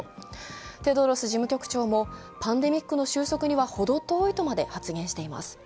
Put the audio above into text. テドロス事務局長もパンデミックの収束には程遠いとまで発言しています。